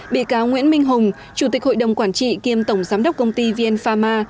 bị cáo nguyễn minh hùng chủ tịch hội đồng quản trị kiêm tổng giám đốc công ty vn pharma